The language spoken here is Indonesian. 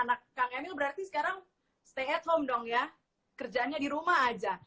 karena kang emil berarti sekarang stay at home dong ya kerjaannya dirumah aja